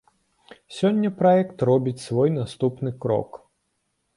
Сёння праект робіць свой наступны крок.